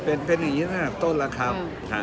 เป็นอย่างนี้ตั้งแต่ต้นแล้วครับ